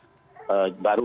tapi itu turun kasus baru